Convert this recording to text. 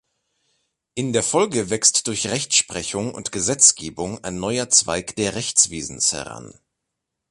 In der Folge wächst durch Rechtsprechung und Gesetzgebung ein neuer Zweig der Rechtswesens heran.